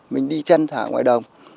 mình đi chăn thả ngoài đồng